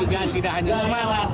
juga tidak hanya semalat